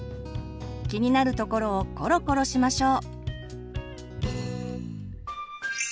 気になる所をコロコロしましょう。